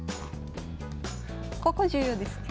ここ重要ですね。